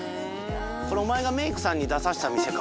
お前がメイクさんに出させた店か？